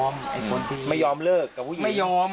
ไม่ยอมเลิกกับผู้หญิง